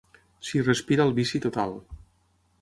S'hi respira el vici total.